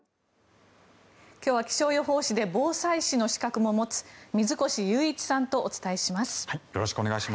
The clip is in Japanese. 今日は気象予報士で防災士の資格も持つ水越祐一さんとお伝えします。